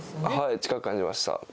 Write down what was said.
はい、近く感じました。